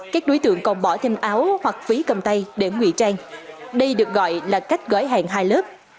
các đối tượng còn bỏ thêm áo hoặc phí cầm tay để ngụy trang đây được gọi là cách gói hàng hai lớp